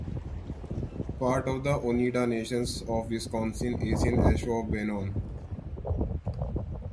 Part of the Oneida Nation of Wisconsin is in Ashwaubenon.